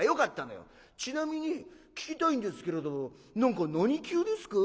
『ちなみに聞きたいんですけれど何級ですか？